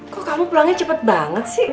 kok kamu pulangnya cepat banget sih